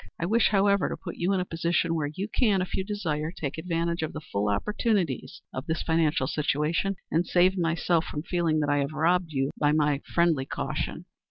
I wish, however, to put you in a position where you can, if you desire, take advantage of the full opportunities of the financial situation and save myself from feeling that I have robbed you by my friendly caution."